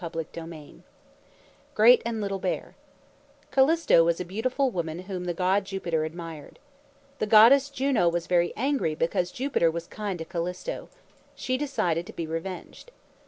ROBERT LOUIS STEVENSON GREAT AND LITTLE BEAR Callisto was a beautiful woman whom the god Jupiter admired. The goddess Juno was very angry because Jupiter was kind to Callisto. She decided to be revenged.